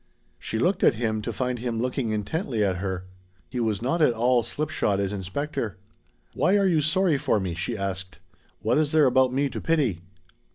She looked at him to find him looking intently at her. He was not at all slipshod as inspector. "Why are you sorry for me?" she asked. "What is there about me to pity?"